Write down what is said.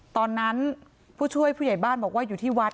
ตอนนั้นผู้ช่วยผู้ใหญ่บ้านบอกว่าอยู่ที่วัด